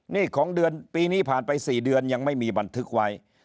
นี่ของเดือนปีนี้ผ่านไป๔เดือนยังไม่มีบันทึกไว้